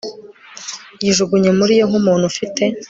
yijugunye muri yo nk'umuntu ufite